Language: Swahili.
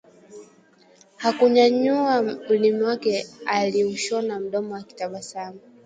hakunyanyua ulimi wake aliushona mdomo akitabsamu